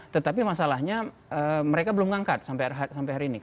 tetapi masalahnya mereka belum ngangkat sampai hari ini